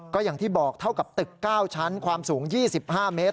ก็อย่างที่บอกเท่ากับตึก๙ชั้นความสูง๒๕เมตร